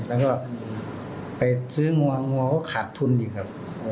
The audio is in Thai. แล้วก็ไปซื้องัวงวัวก็ขาดทุนอีกครับ